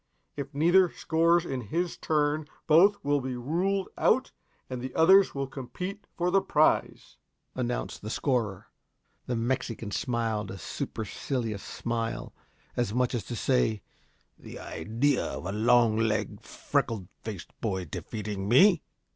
If neither scores in his turn, both will be ruled out and the others will compete for the prize," announced the scorer. The Mexican smiled a supercilious smile, as much as to say, "The idea of a long legged, freckle faced boy defeating me!"